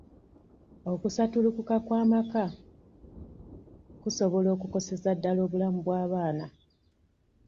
Okusattulukuka lwa kw'amaka kusobola okukoseza ddala obulamu bw'abaana.